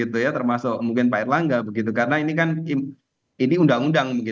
termasuk mungkin pak erlangga begitu karena ini kan ini undang undang